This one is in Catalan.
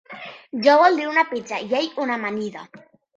Jo voldré una pizza i ell una amanida.